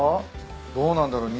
どうなんだろう。